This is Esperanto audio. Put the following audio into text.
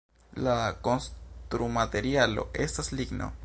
La konstrumaterialo estas ligno.